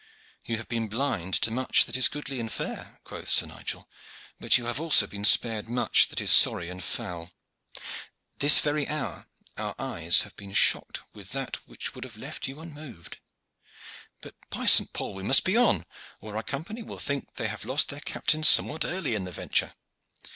"You have been blind to much that is goodly and fair," quoth Sir Nigel, "but you have also been spared much that is sorry and foul. This very hour our eyes have been shocked with that which would have left you unmoved. But, by St. Paul! we must on, or our Company will think that they have lost their captain somewhat early in the venture.